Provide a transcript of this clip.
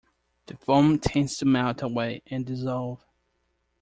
The foam tends to melt away and dissolve.